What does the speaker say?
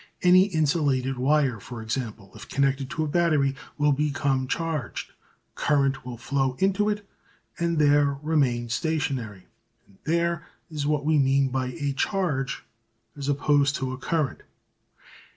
Any insulated wire, for example, if connected to a battery will become charged current will flow into it and there remain stationary. And that is what we mean by a charge as opposed to a current.